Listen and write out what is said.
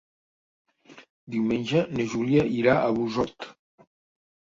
Diumenge na Júlia irà a Busot.